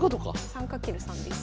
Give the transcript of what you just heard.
３×３です。